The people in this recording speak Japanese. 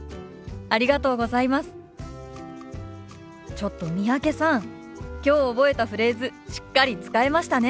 ちょっと三宅さんきょう覚えたフレーズしっかり使えましたね。